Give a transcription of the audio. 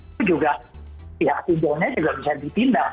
itu juga pihak pinjolnya juga bisa ditindak